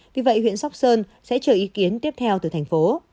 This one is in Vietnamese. vì vậy huyện sóc sơn sẽ chờ ý kiến tiếp theo từ thành phố